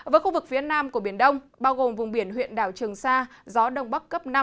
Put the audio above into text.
với khu vực phía nam của biển đông bao gồm vùng biển huyện đảo trường sa gió đông bắc cấp năm